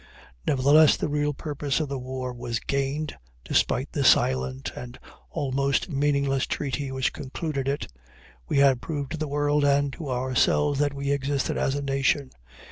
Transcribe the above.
Nevertheless, the real purpose of the war was gained, despite the silent and almost meaningless treaty which concluded it. We had proved to the world and to ourselves that we existed as a nation.